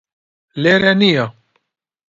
لێرە نییە